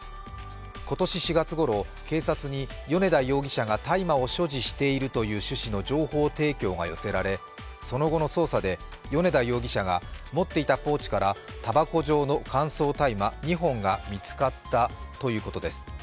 今年４月ごろ、警察に米田容疑者が大麻を所持しているという趣旨の情報提供が寄せられ、その後の捜査で米田容疑者が持っていたポーチから、たばこ状の乾燥大麻２本が見つかったということです。